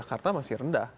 tapi jakarta masih rendah